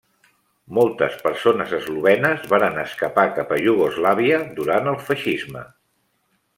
Moltes persones eslovenes varen escapar cap a Iugoslàvia durant el feixisme.